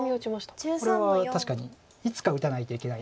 これは確かにいつか打たないといけないんですけど。